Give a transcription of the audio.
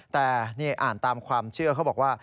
แต่นี่อ่านตามความเชื่อเขาบอกว่า